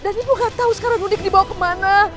dan ibu gak tahu sekarang nunik dibawa kemana